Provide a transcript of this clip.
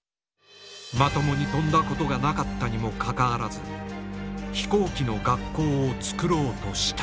まともに飛んだことがなかったにもかかわらず飛行機の学校をつくろうとした。